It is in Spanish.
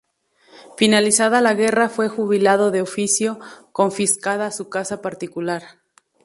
Finalizada la guerra, fue jubilado de oficio, confiscada su casa particular.